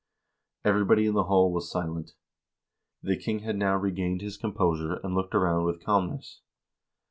Everybody in the hall was silent. The king had now regained his composure and looked around with calmness.